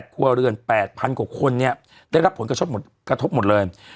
๒๐๑๘คั่วเรือน๘๐๐๐กว่าคนเนี่ยได้รับผลกระทบหมดเลย